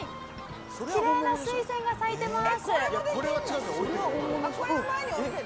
キレイなスイセンが咲いてます。